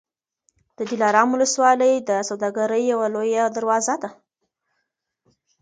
د دلارام ولسوالي د سوداګرۍ یوه لویه دروازه ده.